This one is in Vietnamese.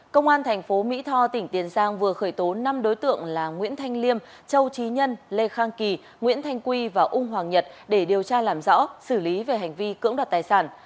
công an thành phố mỹ tho tỉnh tiền giang vừa khởi tố năm đối tượng là nguyễn thanh liêm châu trí nhân lê khang kỳ nguyễn thanh quy và ung hoàng nhật để điều tra làm rõ xử lý về hành vi cưỡng đoạt tài sản